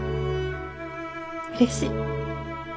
うれしい。